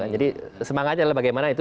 jadi semangatnya adalah bagaimana itu